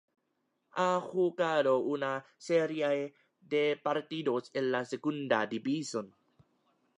Ha jugado una serie de partidos en la Segunda División.